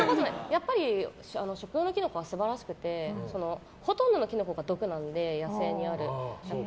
やっぱり食用のキノコは素晴らしくてほとんどのキノコが毒なので野生にあるものは。